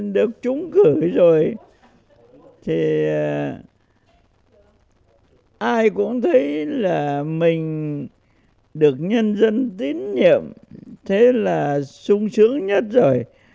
được trúng cử rồi thì ai cũng thấy là mình được nhân dân tín nhiệm thế là sung sướng nhất rồi